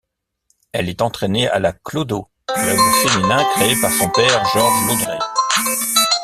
Elle est entraînée à la Clodo, club féminin créé par son père Georges Laudré.